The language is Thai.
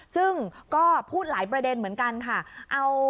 ซึ่งก็พูดหลายประเด็นเหมือนกันค่ะ